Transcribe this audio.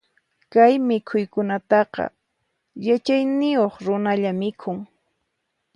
Kay mikhuykunataqa, yachayniyuq runalla mikhun.